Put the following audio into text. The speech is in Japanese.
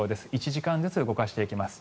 １時間ずつ動かします。